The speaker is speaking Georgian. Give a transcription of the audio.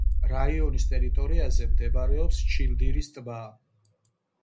რაიონის ტერიტორიაზე მდებარეობს ჩილდირის ტბა.